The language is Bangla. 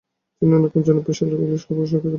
তিনি অন্যতম জনপ্রিয় ইংলিশ কবির স্বীকৃতি পান।